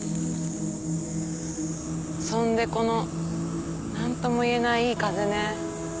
そんでこの何ともいえないいい風ね。